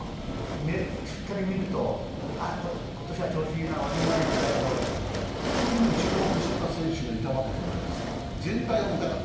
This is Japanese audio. しっかり見ると、今年は調子いいな悪いなというのが特に注目してた選手がいたわけじゃなかった？